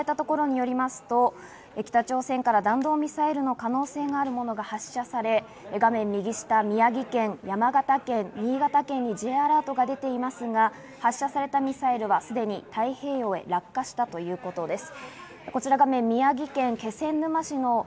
海上保安庁が防衛省の情報として伝えたところによりますと、北朝鮮から弾道ミサイルの可能性があるものが発射され、画面右下、宮城県、山形県、新潟県にＪアラートが出ていますが、発射されたミサイルはすでに太平洋へ落下したということです。